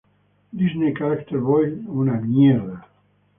Disney Character Voices International Inc.